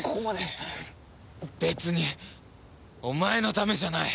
別にお前のためじゃない！